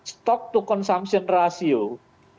stok to consumption ratio itu yang menimbulkan efek kran nya